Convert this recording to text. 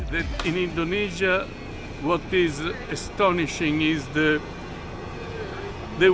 di indonesia yang menakjubkan adalah cara mereka menghadirkan anda